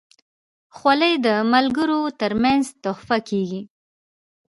خولۍ د ملګرو ترمنځ تحفه کېږي.